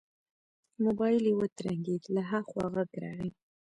موبايل يې وترنګېد له ها خوا غږ راغی.